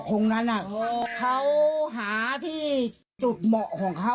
ตรงนั้นน่ะเขาหาที่จุดเหมาะของเขา